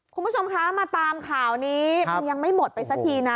คุณผู้ชมคะมาตามข่าวนี้มันยังไม่หมดไปสักทีนะ